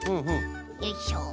よいしょ。